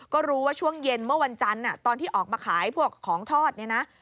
ก็รู้ว่าช่วงเย็นเมื่อวันจันทร์ตอนที่ออกมาขายพวกของทอดเนี่ยนะ